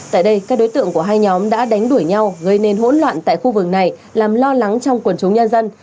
tại đây các đối tượng của hai nhóm đã đánh đuổi nhau gây nên hỗn loạn tại khu vực này làm lo lắng trong quần chúng nhân dân